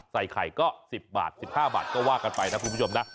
ใส่ไข่ก็๑๐บาท๑๕บาทก็ว่ากันไปนะคุณผู้ชมนะ